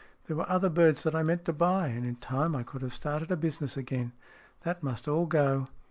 There were other birds that I meant to buy. And in time I could have started a business again. That must all go."